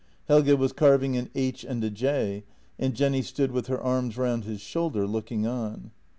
Helge was carving an H and a J, and Jenny stood with her arms round his shoulder, looking on.